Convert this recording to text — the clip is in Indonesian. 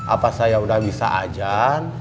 apa saya udah bisa ajan